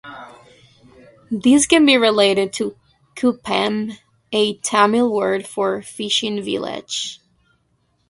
This can be related to 'Kuppam', a Tamil word for fishing village.